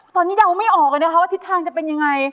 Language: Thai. ตอนนี้เดาไม่ออกเลยนะคะว่าทิศทางจะเป็นยังไง